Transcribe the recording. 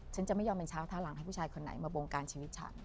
ฉันจะไม่ยอมเป็นเช้าท่าหลังให้ผู้ชายคนไหนมาบงการชีวิตฉัน